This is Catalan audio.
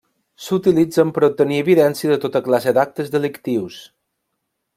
S'utilitzen per obtenir evidència de tota classe d'actes delictius.